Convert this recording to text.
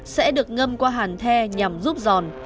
sẽ được ngâm qua hàn the nhằm giúp giòn